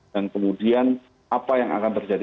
dan kemudian apa yang akan terjadi